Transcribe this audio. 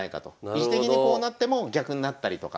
位置的にこうなっても逆になったりとか。